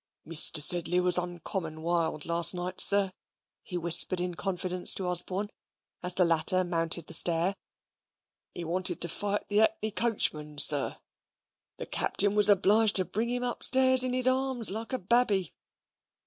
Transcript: "Mr. Sedley was uncommon wild last night, sir," he whispered in confidence to Osborne, as the latter mounted the stair. "He wanted to fight the 'ackney coachman, sir. The Capting was obliged to bring him upstairs in his harms like a babby."